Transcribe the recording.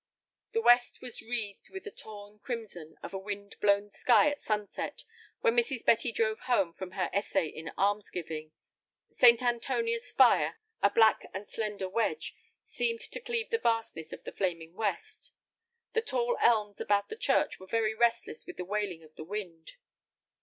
The west was wreathed with the torn crimson of a wind blown sky at sunset when Mrs. Betty drove home from her essay in almsgiving. St. Antonia's spire, a black and slender wedge, seemed to cleave the vastness of the flaming west. The tall elms about the church were very restless with the wailing of the wind.